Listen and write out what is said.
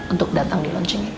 untuk datang di launching